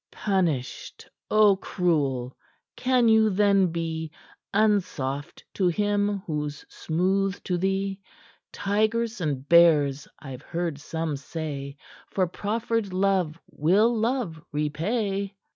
"Punished? Oh, cruel! Can you then be "'Unsoft to him who's smooth to thee? Tigers and bears, I've heard some say, For proffered love will love repay."'